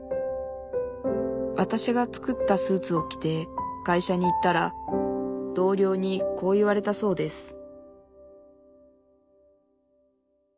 わたしが作ったスーツを着て会社に行ったら同僚にこう言われたそうです